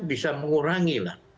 bisa mengurangi lah